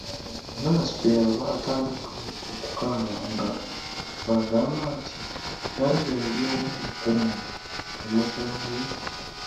Anansi kye yava atandika okukaaba nga bw'agamba nti, nange ndi omu ku mmwe, temukimanyi?